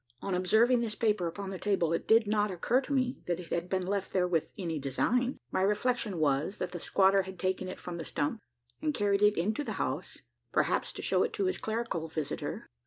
On observing this paper upon the table, it did not occur to me, that it had been left there with any design. My reflection was, that the squatter had taken it from the stump, and carried it into the house perhaps to shew it to his clerical visitor.